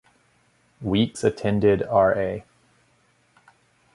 Weeks attended R. A.